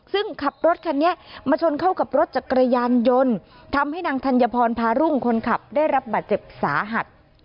ซึ่งขับรถคันนี้มาชนเข้ากับรถจักรยานยนต์ทำให้นางธัญพรพารุ่งคนขับได้รับบาดเจ็บสาหัส